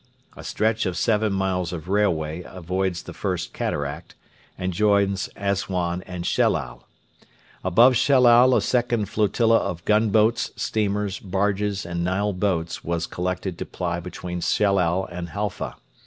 A stretch of seven miles of railway avoids the First Cataract, and joins Assuan and Shellal. Above Shellal a second flotilla of gunboats, steamers, barges, and Nile boats was collected to ply between Shellal and Halfa.